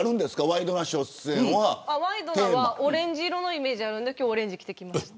ワイドナは、オレンジ色のイメージがあるんで今日、オレンジ着てきました。